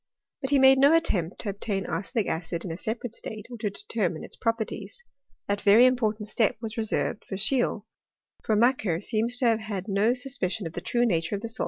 But he made no attempt to ob tain arsenic acid in a separate state, or to determine its properties. That very important step was reserved for Scheele, for Macquer seems to have had no sus picion of the true nature of the salt which he had formed.